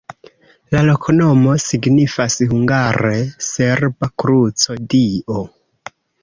La loknomo signifas hungare: serba-kruco-Dio.